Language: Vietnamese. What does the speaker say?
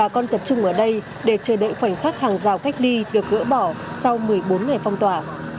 chúng ở đây để chờ đợi khoảnh khắc hàng rào cách ly được gỡ bỏ sau một mươi bốn ngày phong tỏa